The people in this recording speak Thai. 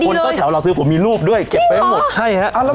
คนก็แถวเราซื้อผมมีรูปด้วยเก็บไปทั้งหมดใช่ฮะ